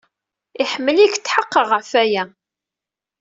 Iḥemmel-ik. Tḥeqqeɣ ɣef waya.